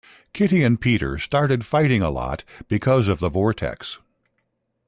Kitty and Peter started fighting a lot because of the Vortex.